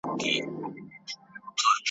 پیکر که هر څو دلربا تر دی `